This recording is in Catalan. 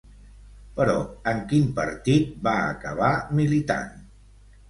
Però en quin partit va acabar militant?